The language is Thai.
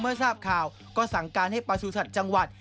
ทราบข่าวก็สั่งการให้ประสุทธิ์จังหวัด